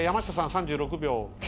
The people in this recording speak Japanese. ３６秒９